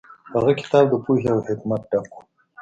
هغه کتاب د پوهې او حکمت ډک و.